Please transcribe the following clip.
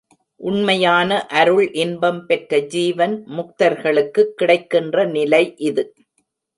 உண்மையான அருள் இன்பம் பெற்ற ஜீவன் முக்தர்களுக்குக் கிடைக்கின்ற நிலை இது.